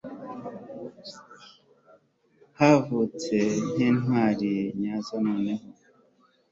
havutse n'intwari nyazo noneho